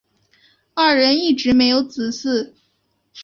二人一直没有子嗣。